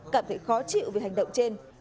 cảm thấy khó chịu vì hành động trên